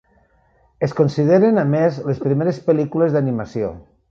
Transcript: Es consideren, a més, les primeres pel·lícules d'animació.